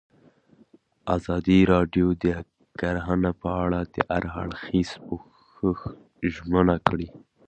ازادي راډیو د کرهنه په اړه د هر اړخیز پوښښ ژمنه کړې.